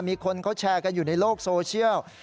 มีคนเขาแชร์กันอยู่ในโลกโซเชียล